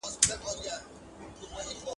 چي دا کلونه راته وايي نن سبا سمېږي